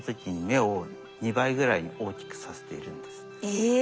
え！